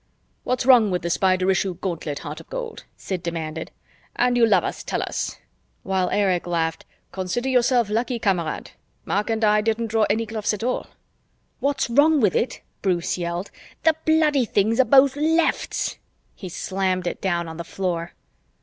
"What's wrong with the Spider Issue gauntlet, heart of gold?" Sid demanded. "And you love us, tell us." While Erich laughed, "Consider yourself lucky, Kamerad. Mark and I didn't draw any gloves at all." "What's wrong with it?" Bruce yelled. "The bloody things are both lefts!" He slammed it down on the floor.